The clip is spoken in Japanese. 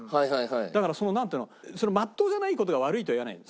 だからなんていうのまっとうじゃない事が悪いとは言わないの。